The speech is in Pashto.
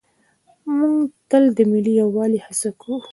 موږ تل د ملي یووالي هڅه کوو.